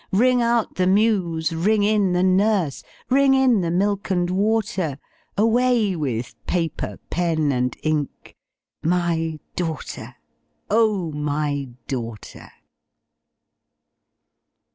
Ring out the muse! ring in the nurse! Ring in the milk and water! Away with paper, pen, and ink My daughter, O my daughter!